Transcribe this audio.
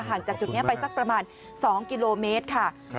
หลังจากจุดนี้ไปประมาณสัก๒กิโลเมตรค่ะ